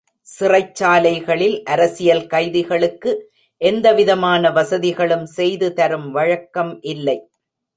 சிறைச்சாலைகளில் அரசியல் கைதிகளுக்கு எந்தவிதமான வசதிகளும் செய்து தரும் வழக்கம் இல்லை.